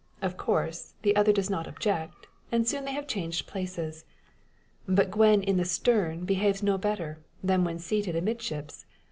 Of course, the other does not object; and soon they have changed places. But Gwen in the stern behaves no better, than when seated amidships.